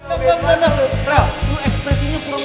tunggu sebentar bro